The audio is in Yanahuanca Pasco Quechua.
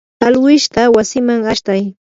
alwishta wasiman ashtay.